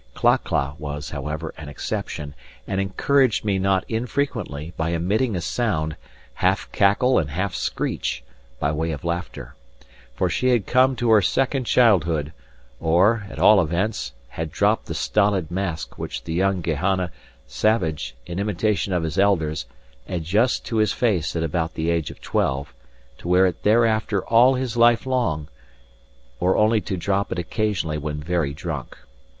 Cla cla was, however, an exception, and encouraged me not infrequently by emitting a sound, half cackle and half screech, by way of laughter; for she had come to her second childhood, or, at all events, had dropped the stolid mask which the young Guayana savage, in imitation of his elders, adjusts to his face at about the age of twelve, to wear it thereafter all his life long, or only to drop it occasionally when very drunk.